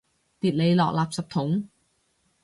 掉你落垃圾桶！